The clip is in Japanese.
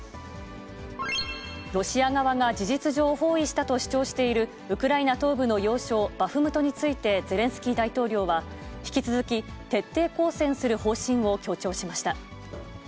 ロシア側が事実上包囲したと主張している、ウクライナ東部の要衝バフムトについて、ゼレンスキー大統領は、引き続き、徹底抗戦する方針を強調しました。